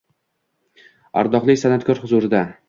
Ardoqli san’atkor huzurida